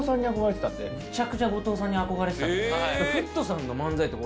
むちゃくちゃ後藤さんに憧れてたんです。